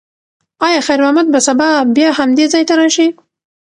ایا خیر محمد به سبا بیا همدې ځای ته راشي؟